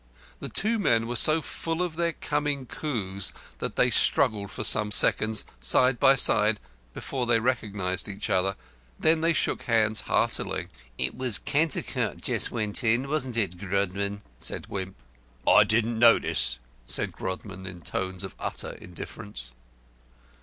The two men were so full of their coming coups that they struggled for some seconds, side by side, before they recognised each other. Then they shook hands heartily. "That was Cantercot just went in, wasn't it, Grodman?" said Wimp. "I didn't notice," said Grodman, in tones of utter indifference.